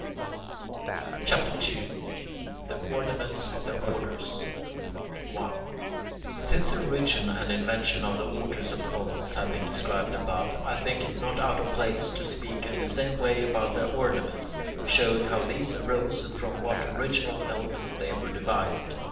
CHAPTER II THE ORNAMENTS OF THE ORDERS 1. Since the origin and invention of the orders of columns have been described above, I think it not out of place to speak in the same way about their ornaments, showing how these arose and from what original elements they were devised.